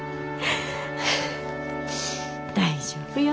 大丈夫よ。